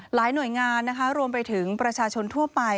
หลายหน่วยงานนะคะรวมไปถึงประชาชนทั่วไป